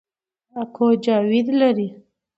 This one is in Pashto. اکو جاوید لري